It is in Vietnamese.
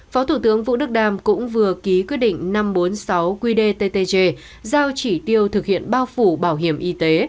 phó thủ tướng vũ đức đam cũng vừa ký quyết định năm trăm bốn mươi sáu qdttg giao chỉ tiêu thực hiện bao phủ bảo hiểm y tế